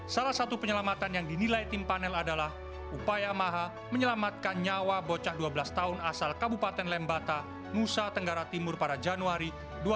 salah satu penyelamatan yang dinilai tim panel adalah upaya maha menyelamatkan nyawa bocah dua belas tahun asal kabupaten lembata nusa tenggara timur pada januari dua ribu dua puluh